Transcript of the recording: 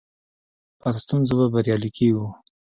پر ستونزو به بريالي کيږو.